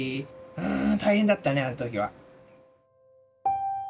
うん大変だったねあの時は。